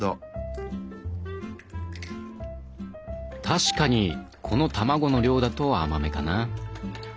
確かにこの卵の量だと甘めかな。